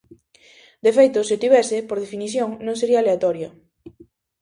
De feito, se o tivese, por definición non sería aleatoria.